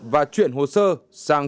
và chuyển hồ sơ sang